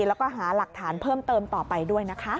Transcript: แล้วก็หาหลักฐานเพิ่มเติมต่อไปด้วยนะคะ